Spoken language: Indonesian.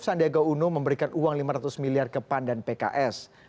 sandiaga uno memberikan uang lima ratus miliar ke pan dan pks